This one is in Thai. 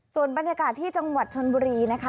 ส่วนบรรยากาศที่จังหวัดชนบุรีนะคะ